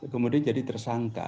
kemudian jadi tersangka